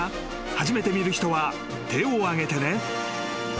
初めて見る人は手を挙げてね］